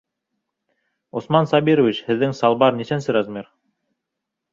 Усман Сабирович, һеҙҙең салбар нисәнсе размер.